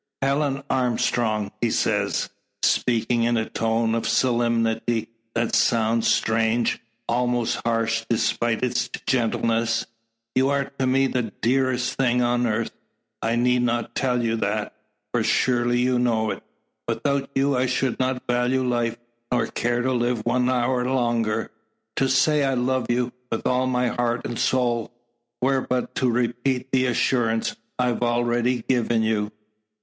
"Helen Armstrong!" he says, speaking in a tone of solemnity that sounds strange, almost harsh despite its gentleness; "you are to me the dearest thing on earth. I need not tell you that, for surely you know it. Without you I should not value life, nor care to live one hour longer. To say I love you, with all my heart and soul, were but to repeat the assurance I've already given you.